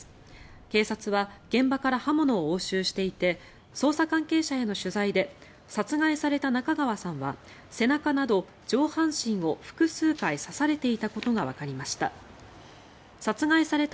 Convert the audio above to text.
警察は現場から刃物を押収していて捜査関係者への取材で殺害された中川さんは背中など上半身を複数回刺されていたことがわかりました。